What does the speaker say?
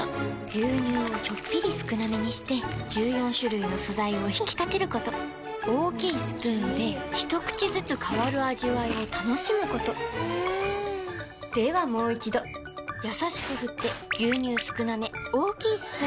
牛乳をちょっぴり少なめにして１４種類の素材を引き立てること大きいスプーンで一口ずつ変わる味わいを楽しむことではもう一度これだ！